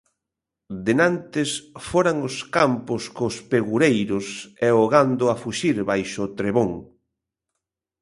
Denantes foran os campos cos pegureiros e o gando a fuxir baixo o trebón.